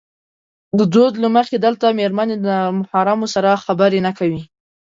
د دود له مخې دلته مېرمنې د نامحرمو سره خبرې نه کوي.